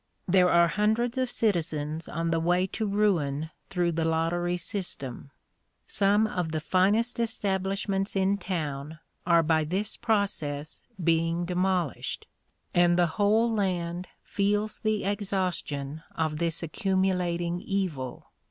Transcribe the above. There are hundreds of citizens on the way to ruin through the lottery system. Some of the finest establishments in town are by this process being demolished, and the whole land feels the exhaustion of this accumulating evil.